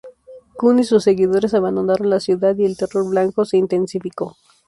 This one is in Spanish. Kun y sus seguidores abandonaron la ciudad y el Terror Blanco se intensificó.